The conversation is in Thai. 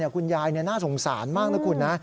คุณยายน่าสงสารมากนะคุณนะ